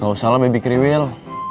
gak usah lah baby kriwil